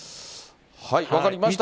分かりました。